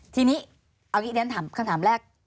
ทีนี้เอาอีกนิดนึงคำถามแรก